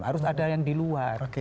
harus ada yang di luar